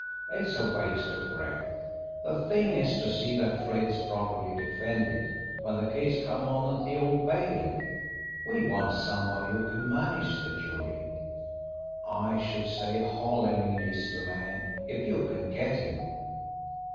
It's a waste of breath. The thing is to see that Fred is properly defended when the case comes on at the Old Bailey. We want somebody who can manage the jury. I should say Holymead is the man if you can get him.